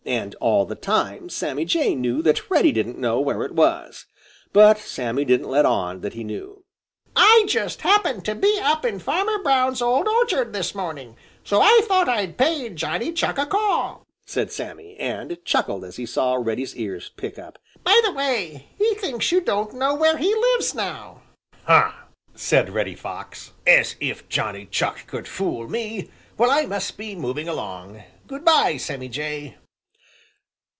And all the time Sammy Jay knew that Reddy didn't know where it was. But Sammy didn't let on that he knew. "I just happened to be up in Farmer Brown's old orchard this morning, so I thought I'd pay Johnny Chuck a call," said Sammy, and chuckled as he saw Reddy's ears prick up. "By the way, he thinks you don't know where he lives now." "Huh!" said Reddy Fox. "As if Johnny Chuck could fool me! Well, I must be moving along. Good by, Sammy Jay."